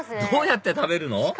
どうやって食べるの？